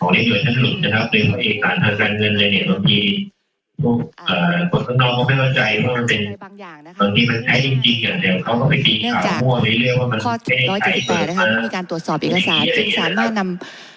มั่วหรือเรียกว่ามันข้อ๑๗๘นะครับมันมีการตรวจสอบเอกสารจริงสามารถนำ